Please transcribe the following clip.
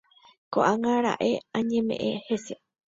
Ko'ág̃a raẽ añeme'ẽ hese